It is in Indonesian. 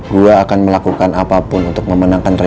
gua akan melakukan apapun untuk memenangkan rena